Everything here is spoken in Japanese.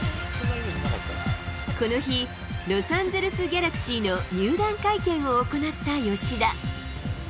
この日、ロサンゼルス・ギャラクシーの入団会見を行った吉田。